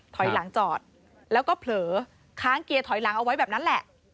ถอยหลังจอดแล้วก็เผลอค้างเกียร์ถอยหลังเอาไว้แบบนั้นแหละ